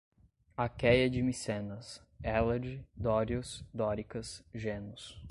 Aqueia de Micenas, Hélade, dórios, dóricas, genos